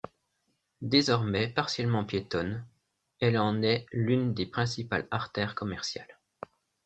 Désormais partiellement piétonne, elle en est l'une des principales artères commerciales.